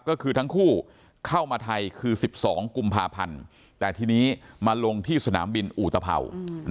ก็คือทั้งคู่เข้ามาไทยคือ๑๒กุมภาพันธ์แต่ทีนี้มาลงที่สนามบินอุตภัวร์